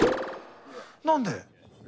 何で？